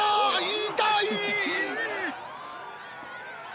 痛い！！